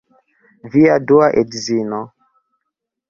Via dua edzino